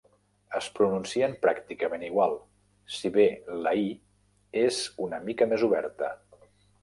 Es pronuncien pràcticament igual, si bé la i és una mica més oberta.